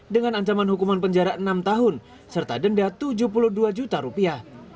dengan ancaman hukuman penjara enam tahun serta denda tujuh puluh dua juta rupiah